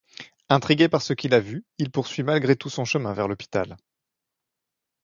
Intrigué par ce qu'il a vu, il poursuit malgré tout son chemin vers l'hôpital.